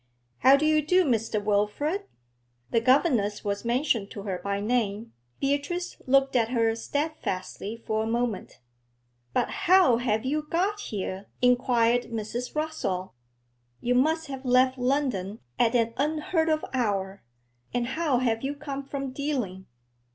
'How do you do, Mr. Wilfrid?' The governess was mentioned to her by name; Beatrice looked at her steadfastly for a moment. 'But how have you got here?' inquired Mrs. Rossall. 'You must have left London at an unheard of hour; and how have yen come from Dealing?'